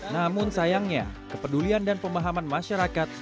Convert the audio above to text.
namun sayangnya kepedulian dan pemahaman masyarakat